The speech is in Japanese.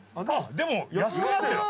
でも安くなってる！